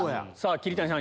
桐谷さん